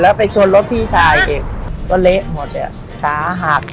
แล้วไปชนรถพี่ชายเองก็เละหมดโบสดไอ้ขาหัก